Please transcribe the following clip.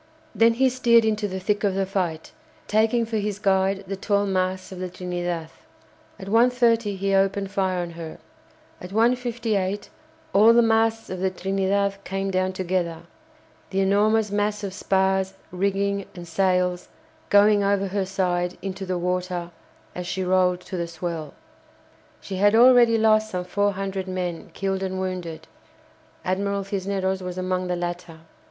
Then he steered into the thick of the fight, taking for his guide the tall masts of the "Trinidad." At 1.30 he opened fire on her. At 1.58 all the masts of the "Trinidad" came down together, the enormous mass of spars, rigging, and sails going over her side into the water as she rolled to the swell. She had already lost some four hundred men killed and wounded (Admiral Cisneros was among the latter).